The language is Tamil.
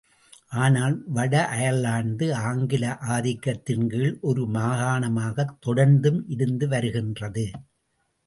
ஆனால் வட அயர்லாந்து ஆங்கில ஆதிக்கத்தின்கீழ் ஒரு மாகாணமாகத் தொடர்ந்தும் இருந்து வருகின்றது.